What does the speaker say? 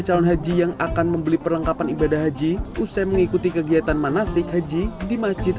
calon haji yang akan membeli perlengkapan ibadah haji usai mengikuti kegiatan manasik haji di masjid